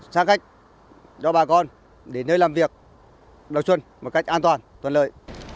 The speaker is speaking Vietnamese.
xác khách cho bà con đến nơi làm việc đồng xuân một cách an toàn tuần lợi